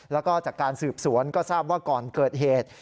แล้วก็จากการสืบสวนก็ทราบว่าก่อนเกิดเหตุ